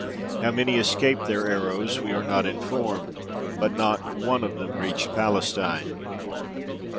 How many escaped their arrows we are not informed; but not one of them reached Palestine.